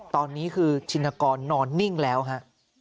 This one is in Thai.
ตอนนี้คือชินกรนอนนิ่งแล้วฮะ